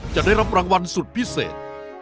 จะได้รับรางวัลสุดพิเศษ